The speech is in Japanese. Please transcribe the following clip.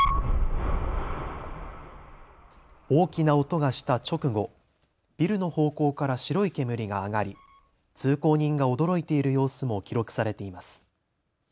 大きな音がした直後、ビルの方向から白い煙が上がり通行人が驚いている様子も記録されています。